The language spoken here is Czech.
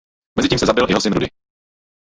Mezitím se zabil jeho syn Rudy.